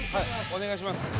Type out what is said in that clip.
お願いします。